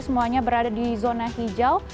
semuanya berada di zona hijau